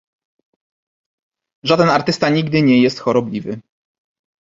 Żaden artysta nigdy nie jest chorobliwy.